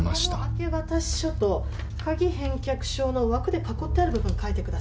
明け渡し書と鍵返却書の枠で囲ってある部分書いてください。